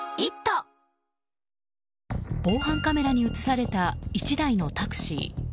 防犯カメラに映された１台のタクシー。